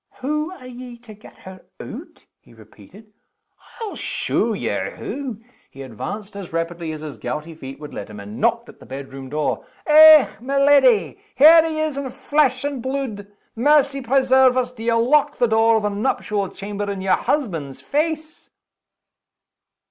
"Hoo are ye to get her oot?" he repeated. "I'll show ye hoo!" He advanced as rapidly as his gouty feet would let him, and knocked at the bedroom door. "Eh, my leddy! here he is in flesh and bluid. Mercy preserve us! do ye lock the door of the nuptial chamber in your husband's face?"